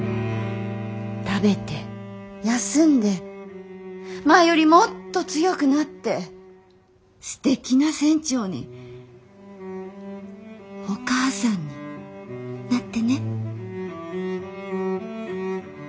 食べて休んで前よりもっと強くなってすてきな船長にお母さんになってね。